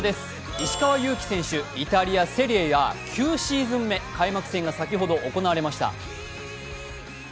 石川祐希選手、イタリア・セリエＡ９シーズン目、開幕戦が先ほど行われました。